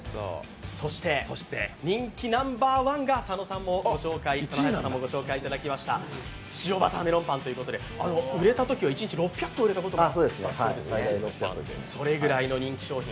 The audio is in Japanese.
そして人気ナンバーワンが佐野勇斗さんもご紹介いただきました塩バターメロンパン、売れたときは一日６００個売れたことがある、それぐらいの人気商品。